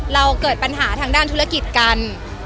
เกิดปัญหาทางด้านธุรกิจกัน